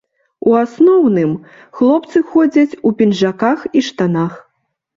У асноўным, хлопцы ходзяць у пінжаках і штанах.